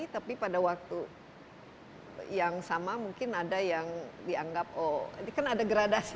tapi pada waktu yang sama mungkin ada yang dianggap oh ini kan ada gradasi